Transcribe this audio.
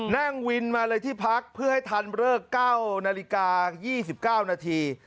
นั่งวินมาเลยที่พักเพื่อให้ทันเลิก๙นาฬิกา๒๙นาที